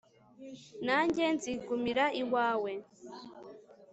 nanjye nzigumira iwawe